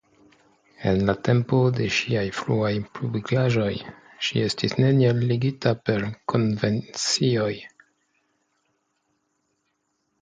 En la tempo de ŝiaj fruaj publikaĵoj ŝi estis neniel ligita per konvencioj.